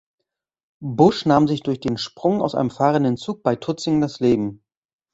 Busch nahm sich durch den Sprung aus einem fahrenden Zug bei Tutzing das Leben.